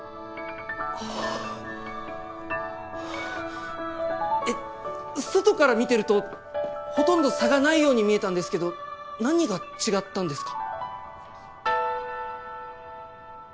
あ外から見てるとほとんど差がないように見えたんですけど何が違ったんですか？